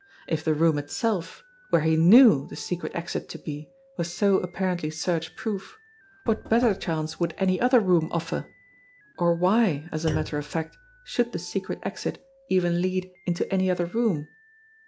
If the room itself, where he knew the secret exit to be, was so apparently search proof, what better chance would any other room offer ? Or why, as a matter of fact, should the secret exit even lead into any other room